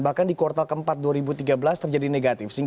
bahkan di kuartal keempat dua ribu tiga belas terjadi negatif